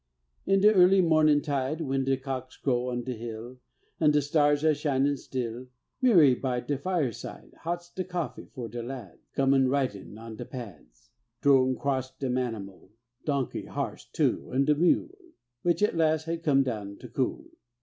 In de early marnin' tide, When de cocks crow on de hill An' de stars are shinin' still, Mirrie by de fireside Hots de coffee for de lads Comin' ridin' on de pads T'rown across dem animul Donkey, harse too, an' de mule, Which at last had come do'n cool.